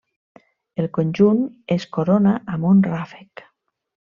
El conjunt es corona amb un ràfec.